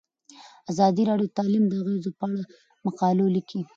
ازادي راډیو د تعلیم د اغیزو په اړه مقالو لیکلي.